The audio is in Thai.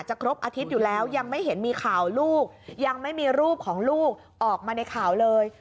ครบอาทิตย์อยู่แล้วยังไม่เห็นมีข่าวลูกยังไม่มีรูปของลูกออกมาในข่าวเลย